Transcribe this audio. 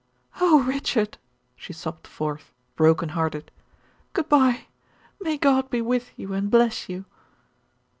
"Oh, Richard!" she sobbed forth, broken hearted, "good bye. May God be with you and bless you!"